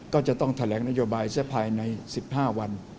ก็จะต้องแถลงนโยบายซะภายใน๑๕วัน